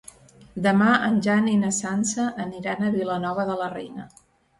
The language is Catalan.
Demà en Jan i na Sança aniran a Vilanova de la Reina.